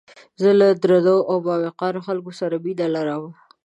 زه له درنو او باوقاره خلکو سره مينه لرم